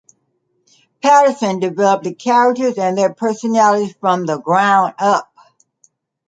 Patterson developed the characters and their personalities from the ground up.